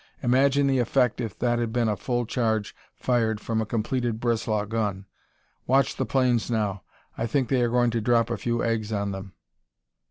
"Imagine the effect if that had been a full charge fired from a completed Breslau gun! Watch the planes, now. I think they are going to drop a few eggs on them."